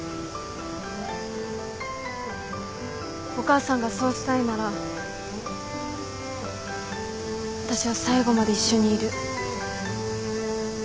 お母さんがそうしたいなら私は最後まで一緒にいる。